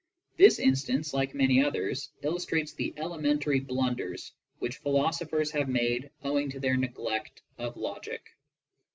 This instance, like many others, illustrates the elementary blunders which philosophers have made owing to their neglect of logic.